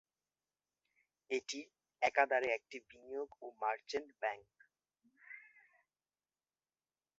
এটি একাধারে একটি বিনিয়োগ ও মার্চেন্ট ব্যাংক।